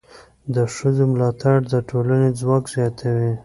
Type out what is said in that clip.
د ښځو ملاتړ د ټولنې ځواک زیاتوي.